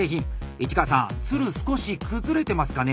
市川さん鶴少し崩れてますかね。